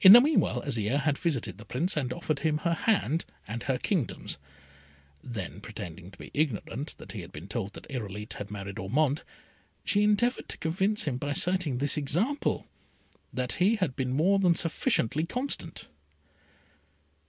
In the meanwhile Azire had visited the Prince, and offered him her hand and her kingdoms; then, pretending to be ignorant that he had been told that Irolite had married Ormond, she endeavoured to convince him by citing this example, that he had been more than sufficiently constant.